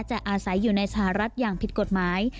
ของสหรัฐแม้จะอาศัยอยู่ในสหรัฐอย่างผิดกฎหมาย